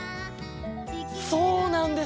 そうなんです！